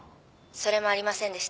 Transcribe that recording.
それもありませんでした。